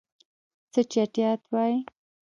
څه چټياټ وايي.